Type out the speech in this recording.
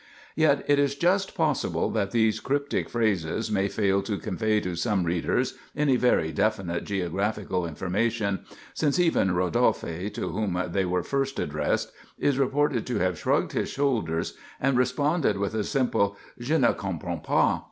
Yet it is just possible that these cryptic phrases may fail to convey to some readers any very definite geographical information; since even Rodolphe, to whom they were first addressed, is reported to have shrugged his shoulders and responded with a simple "Je ne comprends pas."